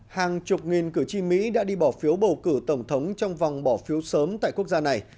hàng chục nghìn cử tri mỹ đã đi bỏ phiếu bầu cử tổng thống trong vòng bỏ phiếu sớm tại quốc gia này